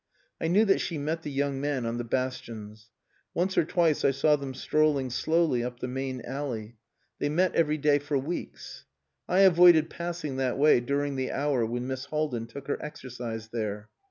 I knew that she met the young man on the Bastions. Once or twice I saw them strolling slowly up the main alley. They met every day for weeks. I avoided passing that way during the hour when Miss Haldin took her exercise there.